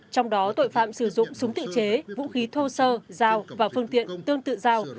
trong đó tội phạm sử dụng súng tự chế vũ khí thô sơ dao và phương tiện tương tự dao